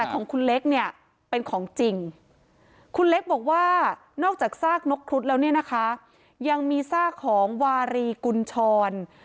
ของคุณเล็กเนี่ยเป็นของจริงคุณเล็กบอกว่านอกจากซากนกครุฑแล้วเนี่ยนะคะยังมีซากของวารีกุญชร